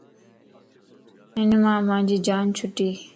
ھن مان مانجي جان چھٽي